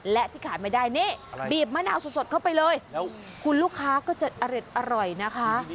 และที่ขาดไม่ได้นี่บีบมะนาวสดเข้าไปเลยคุณลูกค้าก็จะอร็ดอร่อยนะคะ